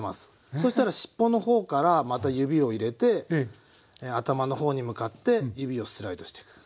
そしたらしっぽの方からまた指を入れて頭の方に向かって指をスライドしていく。